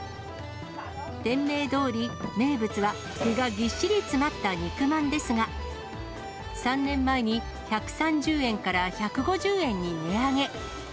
店名どおり、名物は具がぎっしり詰まった肉まんですが、３年前に１３０円から１５０円に値上げ。